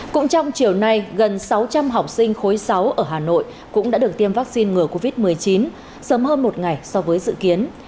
cũng trong chiều nay gần sáu trăm linh học sinh khối sáu ở hà nội cũng đã được tiêm vaccine ngừa covid một mươi chín sớm hơn một ngày so với dự kiến